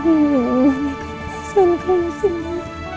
aku ingin menikah di sana